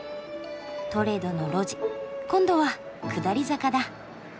トレドの路地今度は下り坂だ。